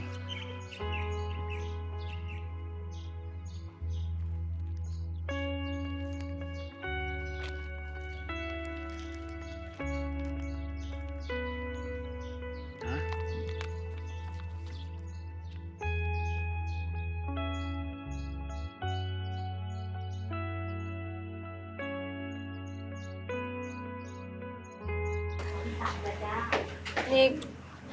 ช่วยพี่ดีกว่า